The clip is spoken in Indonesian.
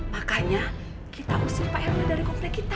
makanya kita usir pak hermit dari komplek kita